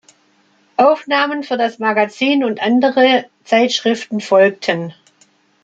Aufnahmen für das Magazin und andere Zeitschriften folgten.